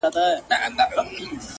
همدا ارزښتونه زموږ راتلونکی روښانوي